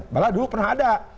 malah dulu pernah ada